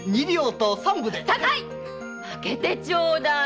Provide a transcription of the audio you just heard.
負けてちょうだい。